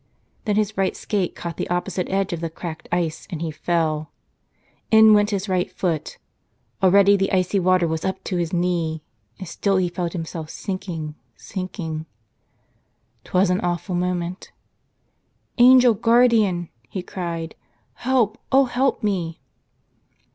.Then his right skate caught the oppo¬ site edge of the cracked ice and he fell. In went his right foot. Already the icy water was up to his knee, and still he felt himself sinking, sinking. 'Twas an awful moment. "Angel Guardian," he cried, "help, oh help me